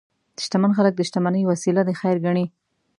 شتمن خلک د شتمنۍ وسیله د خیر ګڼي.